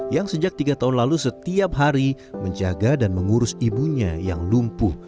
yang sejak tiga tahun lalu setiap hari menjaga dan mengurus ibunya yang lumpuh